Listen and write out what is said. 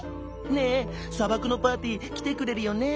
「ねえさばくのパーティーきてくれるよね？」。